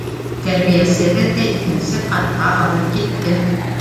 Тәрбиәсе беҙҙе икенсе ҡатҡа алып китте.